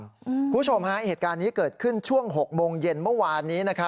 คุณผู้ชมฮะเหตุการณ์นี้เกิดขึ้นช่วง๖โมงเย็นเมื่อวานนี้